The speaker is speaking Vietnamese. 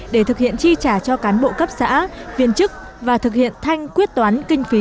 để thực hiện chi trả cho cán bộ cấp xã viên chức và thực hiện thanh quyết toán kinh phí